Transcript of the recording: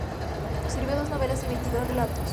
Escribió dos novelas y veintidós relatos.